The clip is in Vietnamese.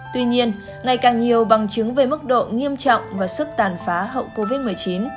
tuy nhiên ngày càng nhiều bằng chứng về mức độ nghiêm trọng và sức tàn phá hậu covid một mươi chín